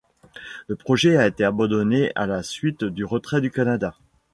Le projet a été abandonné à la suite du retrait du Canada.